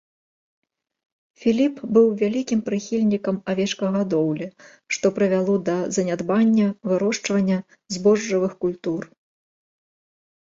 Філіп быў вялікім прыхільнікам авечкагадоўлі, што прывяло да занядбання вырошчвання збожжавых культур.